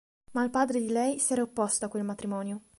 Ma il padre di lei si era opposto a quel matrimonio.